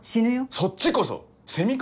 そっちこそセミか？